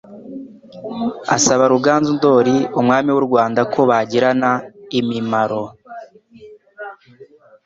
asaba Ruganzu Ndoli umwami w'u Rwanda ko bagirana imimaro,